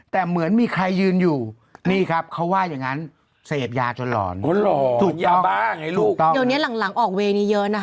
แต่เหมือนมีใครยืนอยู่นี่ครับเขาว่ายังงั้นเสพยาจนหลอน